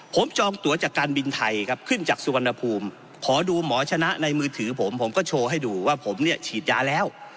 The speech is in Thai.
ผมจองตัวจากการบินไทยครับขึ้นจากสุวรรณภูมิขอดูหมอชนะในมือถือผมผมก็โชว์ให้ดูว่าผมเนี่ยฉีดยาแล้ว